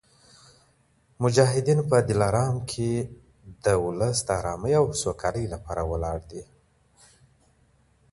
مجاهدین په دلارام کي د ولس د ارامۍ او سوکالۍ لپاره ولاړ دي.